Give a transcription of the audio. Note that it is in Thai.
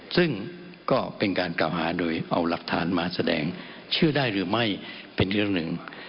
ซึ่งก็เป็นการกล่าวหาโดยเอาหลักฐานมาแสดงชื่อได้หรือไม่เป็นเรื่องหนึ่ง